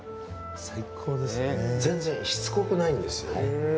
全然しつこくないんですよね。